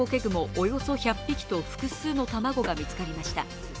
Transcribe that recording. およそ１００匹と複数の卵が見つかりました。